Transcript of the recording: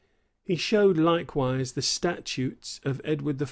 He showed, likewise, the statutes of Edward I.